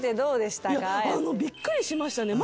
びっくりしましたね